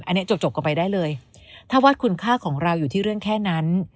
อันนี้จบกันไปได้เลยถ้าว่าคุณค่าของเราอยู่ที่เรื่องแค่นั้น